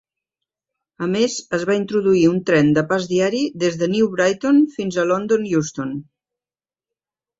A més, es va introduir un tren de pas diari des de New Brighton fins a London Euston.